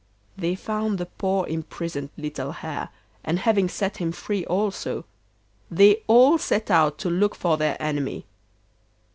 They found the poor imprisoned little Hare, and having set him free also, they all set out to look for their enemy.